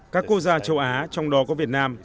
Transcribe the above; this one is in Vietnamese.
các quốc gia châu á trong đó có việt nam